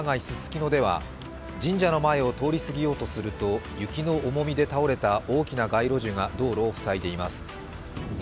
ススキノでは神社の前を通りすぎようとすると雪の重みで倒れた大きな街路樹が道路を塞いでいます。